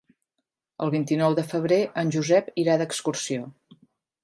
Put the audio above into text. El vint-i-nou de febrer en Josep irà d'excursió.